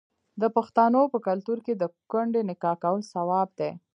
د پښتنو په کلتور کې د کونډې نکاح کول ثواب دی.